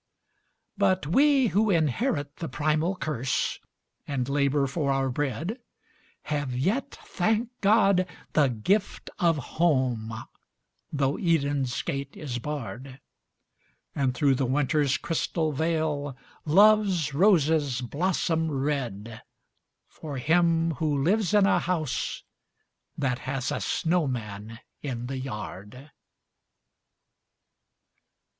But we who inherit the primal curse, and labour for our bread, Have yet, thank God, the gift of Home, though Eden's gate is barred: And through the Winter's crystal veil, Love's roses blossom red, For him who lives in a house that has a snowman in the yard.